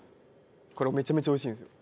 これめちゃめちゃ美味しいんですよ。